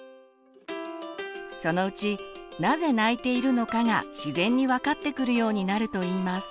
そのうちなぜ泣いているのかが自然に分かってくるようになるといいます。